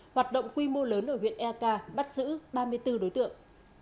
hoạt động quy mô lớn ở huyện eak bắt giữ ba mươi bốn đối tượng